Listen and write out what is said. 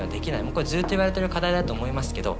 もうこれずっと言われてる課題だと思いますけど。